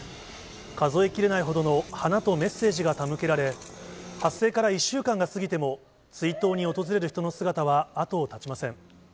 数えきれないほどの花とメッセージが手向けられ、発生から１週間が過ぎても、追悼に訪れる人の姿は後を絶ちません。